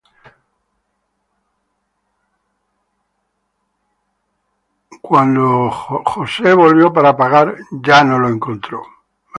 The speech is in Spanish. Cuando Judá volvió para pagarle, ya no la encontró.